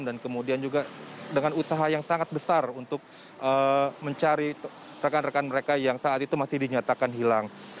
dan kemudian juga dengan usaha yang sangat besar untuk mencari rekan rekan mereka yang saat itu masih dinyatakan hilang